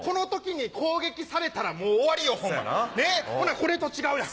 ほなこれと違うやん。